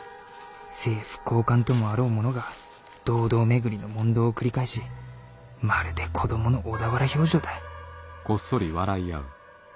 政府高官ともあろうものが堂々巡りの問答を繰り返しまるで子供の小田原評定だ」。